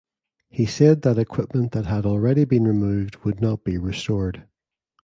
He said that equipment that had already been removed would not be restored.